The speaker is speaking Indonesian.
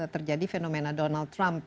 terjadi fenomena donald trump